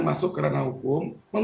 masuk ke ranah hukum